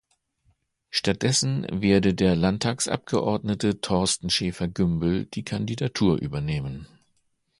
Stattdessen werde der Landtagsabgeordnete Thorsten Schäfer-Gümbel die Kandidatur übernehmen.